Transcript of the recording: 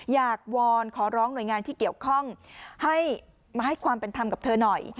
วอนขอร้องหน่วยงานที่เกี่ยวข้องให้มาให้ความเป็นธรรมกับเธอหน่อย